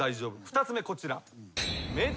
２つ目こちら。